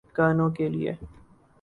گانوں کیلئے۔